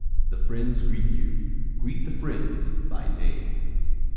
The friends greet you. Greet the friends by name.